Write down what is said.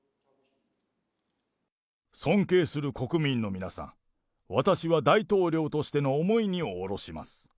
尊敬する国民の皆さん、私は大統領としての重い荷を下ろします。